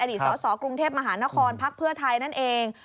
สสกรุงเทพมหานครพักเพื่อไทยนั่นเอง